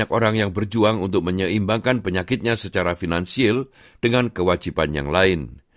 banyak orang yang berjuang untuk menyeimbangkan penyakitnya secara finansial dengan kewajiban yang lain